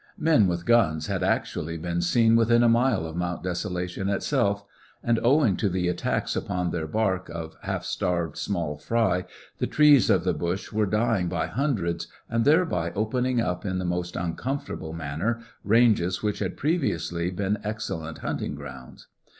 Men with guns had actually been seen within a mile of Mount Desolation itself; and, owing to the attacks upon their bark of half starved small fry, the trees of the bush were dying by hundreds, and thereby opening up in the most uncomfortable manner ranges which had previously been excellent hunting grounds.